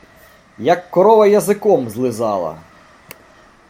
Як корова язиком злизала.